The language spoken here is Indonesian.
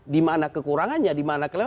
dimana kekurangannya dimana kelelahan